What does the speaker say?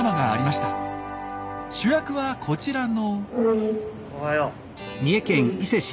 主役はこちらの。